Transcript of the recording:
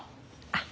あっ。